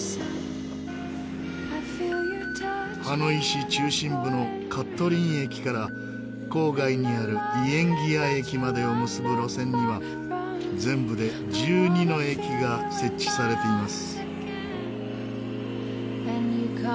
ハノイ市中心部のカットリン駅から郊外にあるイエンギア駅までを結ぶ路線には全部で１２の駅が設置されています。